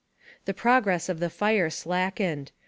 The progress of the fire slackened.